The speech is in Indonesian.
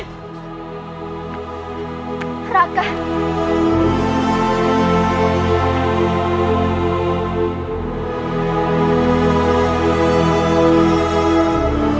syukurlah kamu selamat lali